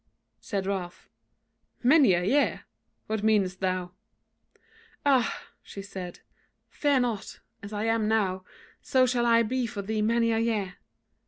Said Ralph: "Many a year! what meanest thou?" "Ah!" she said, "fear not! as I am now, so shall I be for thee many a year.